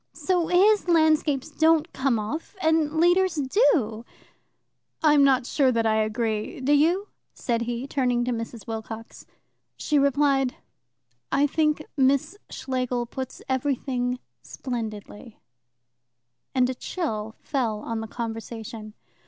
So his landscapes don't come off, and Leader's do." "I am not sure that I agree. Do you?" said he, turning to Mrs. Wilcox. She replied: "I think Miss Schlegel puts everything splendidly"; and a chill fell on the conversation.